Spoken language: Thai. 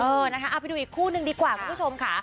เออนะคะเอาไปดูอีกคู่นึงดีกว่าคุณผู้ชมค่ะ